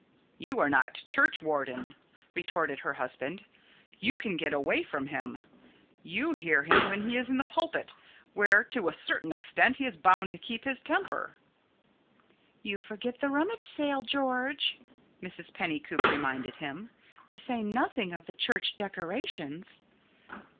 "You are not churchwarden," retorted her husband; "you can get away from him. You hear him when he is in the pulpit, where, to a certain extent, he is bound to keep his temper." "You forget the rummage sale, George," Mrs. Pennycoop reminded him; "to say nothing of the church decorations."